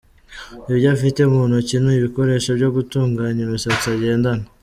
Ibyo afite mu ntoki ni ibikoresho byo gutunganya imisatsi agendana.